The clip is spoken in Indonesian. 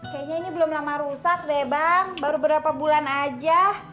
kayaknya ini belum lama rusak deh bang baru berapa bulan aja